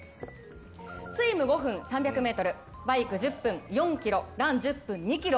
スイム５分、３００ｍバイク１０分、４ｋｍラン１０分、２ｋｍ。